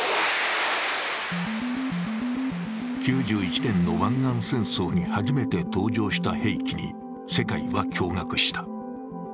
９１年の湾岸戦争に初めて登場した兵器に世界は驚がくした。